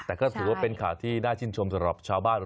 แต่ก็ถือว่าเป็นข่าวที่น่าชื่นชมสำหรับชาวบ้าน